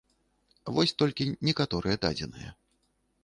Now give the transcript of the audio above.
Вось толькі некаторыя дадзеныя.